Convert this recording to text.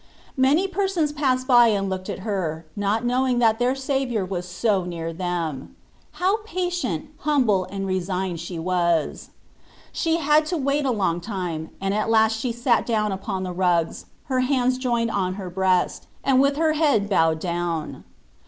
Many persons passed by and looked at her, not knowing that their Saviour was so near them. How patient, humble, and resigned she was. She had to wait a long time, and at last she sat down upon the rugs, her hands joined on her breast, and with her head bowed down.